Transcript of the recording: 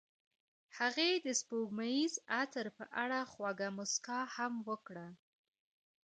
هغې د سپوږمیز عطر په اړه خوږه موسکا هم وکړه.